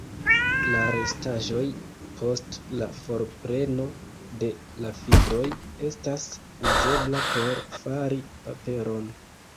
La restaĵoj post la forpreno de la fibroj estas uzebla por fari paperon.